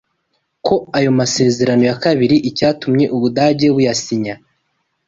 ko ayo masezerano ya kabiri icyatumye u Budage buyasinya